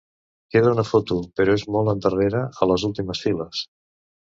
Queda una foto, però és molt endarrere, a les últimes files.